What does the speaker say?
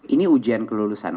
ini ujian kelulusan